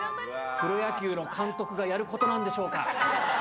プロ野球の監督がやることなんでしょうか。